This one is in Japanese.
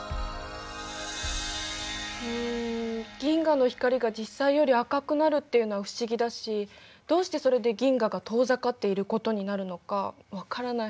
うん銀河の光が実際より赤くなるっていうのは不思議だしどうしてそれで銀河が遠ざかっていることになるのか分からない。